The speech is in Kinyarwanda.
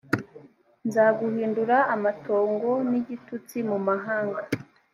nzaguhindura amatongo n igitutsi mu mahanga